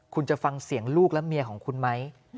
คุณจะฟังเสียงลูกและเมียของคุณไหม